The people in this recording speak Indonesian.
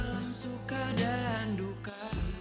aku tahu apa